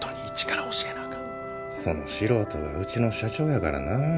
その素人がうちの社長やからな。